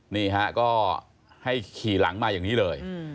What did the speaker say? นี่ฮะก็ให้ขี่หลังมาอย่างนี้เลย